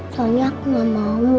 soalnya aku gak mau